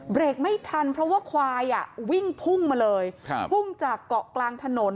ไม่ทันเพราะว่าควายอ่ะวิ่งพุ่งมาเลยครับพุ่งจากเกาะกลางถนน